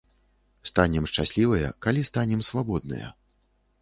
Станем шчаслівыя, калі станем свабодныя.